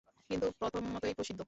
কিন্তু প্রথম মতই প্রসিদ্ধ।